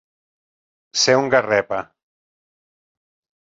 Ser un garrepa.